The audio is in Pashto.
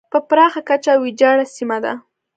په پراخه کچه ویجاړه سیمه ده.